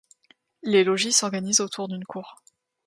Les logis s'organisent autour d'une cour.